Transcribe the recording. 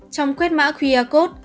trong quét mã qr code